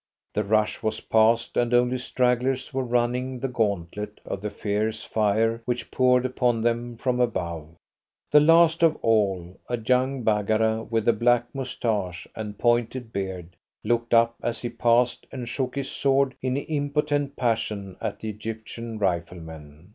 The rush was past, and only stragglers were running the gauntlet of the fierce fire which poured upon them from above. The last of all, a young Baggara with a black moustache and pointed beard, looked up as he passed and shook his sword in impotent passion at the Egyptian riflemen.